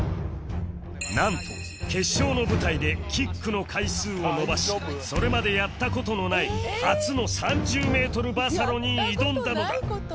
なんと決勝の舞台でキックの回数を伸ばしそれまでやった事のない初の３０メートルバサロに挑んだのだ